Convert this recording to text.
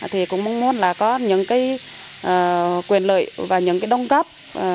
thì cũng muốn là có những cái quyền lợi và những cái đồng cấp